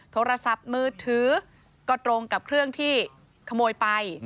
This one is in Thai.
โทรศัพท์มือถือก็ตรงกับเครื่องที่ขโมยไป